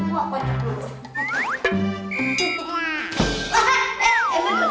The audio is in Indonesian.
wah kue jejak dulu